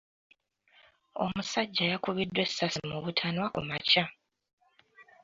Omusajja yakubiddwa essasi mu butanwa kumakya.